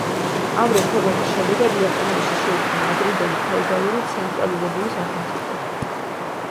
ამ რეფორმების შედეგად იაპონიაში შეიქმნა ადრინდელი ფეოდალური ცენტრალიზებული სახელმწიფო.